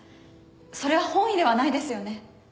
それは本意ではないですよね？